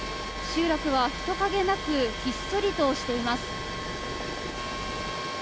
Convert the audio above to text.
集落は人影なくひっそりとしています。